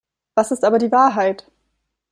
Was ist aber die Wahrheit?